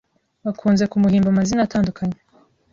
Bakunze kumuhimba amazina atandukanye